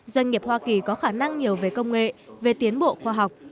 doanh nghiệp hoa kỳ có khả năng nhiều về công nghệ về tiến bộ khoa học